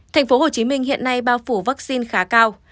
thành phố hồ chí minh hiện nay bao phủ vaccine khá cao